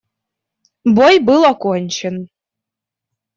Бой был окончен.